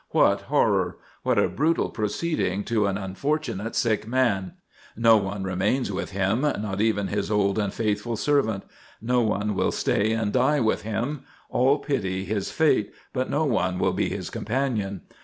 What horror ! What a brutal proceeding to an un fortunate sick man ! No one remains with him, not even his old and faithful servant ; no one will stay and die with him ; all pity his fate, but no one will be his companion.